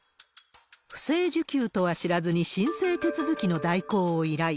不正受給とは知らずに申請手続きの代行を依頼。